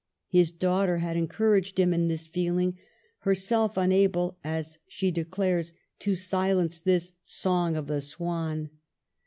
His daughter had encouraged him in this feeling, her self unable, as she declares, to silence this " Song of the Swan."